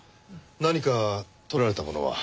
何か盗られたものは？